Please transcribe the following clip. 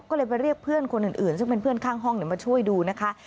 ก็เลยไปเรียกเพื่อนคนอื่นซึ่งเป็นเพื่อนข้างห้องมาช่วยดูนะคะ